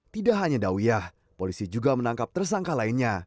tidak hanya dawiyah polisi juga menangkap tersangka lainnya